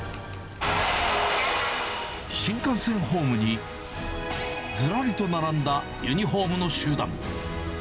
新幹線ホームにずらりと並んだユニホームの集団。